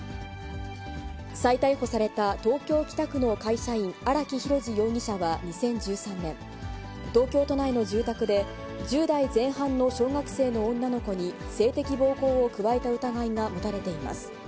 再逮捕された東京・北区の会社員、荒木博路容疑者は２０１３年、東京都内の住宅で、１０代前半の小学生の女の子に性的暴行を加えた疑いが持たれています。